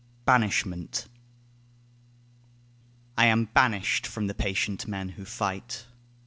BANISHMENT I am banished from the patient men who fight.